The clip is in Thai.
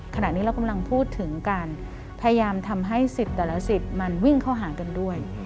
ขณะนี้เรากำลังพูดถึงการพยายามทำให้สิทธิ์แต่ละสิทธิ์มันวิ่งเข้าหากันด้วย